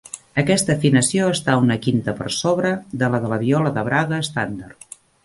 Aquesta afinació està una quinta per sobre de la de la viola de Braga estàndard.